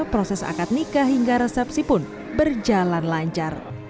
proses akad nikah hingga resepsi pun berjalan lancar